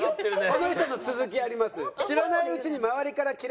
この人の続きあります。